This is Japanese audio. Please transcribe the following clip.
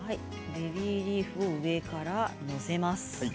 ベビーリーフを上から載せます。